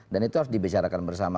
dan itu harus dibicarakan bersama